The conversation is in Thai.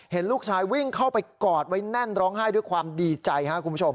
เห็นลูกชายวิ่งเข้าไปกอดไว้แน่นร้องไห้ด้วยความดีใจครับคุณผู้ชม